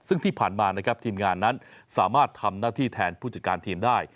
ซึ่งที่ผ่านมานะครับทีมงานนั้นสามารถทำหน้าที่แทนผู้จัดการทีมได้